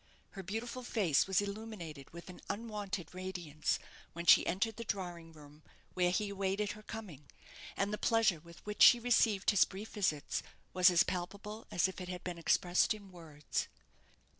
Her beautiful face was illuminated with an unwonted radiance when she entered the drawing room where he awaited her coming: and the pleasure with which she received his brief visits was as palpable as if it had been expressed in words.